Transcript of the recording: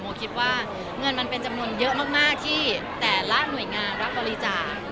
คิดว่าเงินมันเป็นจำนวนเยอะมากที่แต่ละหน่วยงานรับบริจาค